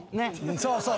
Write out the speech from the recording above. そうそう。